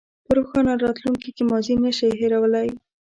په روښانه راتلونکي کې ماضي نه شئ هېرولی.